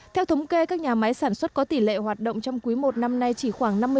theo thống kê các nhà máy sản xuất có tỷ lệ hoạt động trong quý i năm nay chỉ khoảng năm mươi